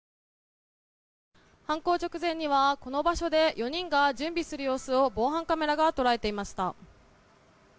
犯行直前にはこの場所で４人が準備する様子を防犯カメラが捉えていました。